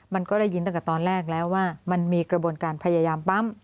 มันก็ได้ยินตั้งแต่ตอนแรกแล้วว่ามันมีกระบวนการพยายามปั๊ม